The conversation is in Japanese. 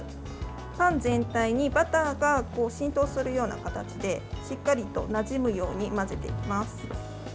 パン全体にバターが浸透するような形でしっかりとなじむように混ぜていきます。